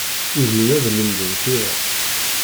Ugin ad lemden tira.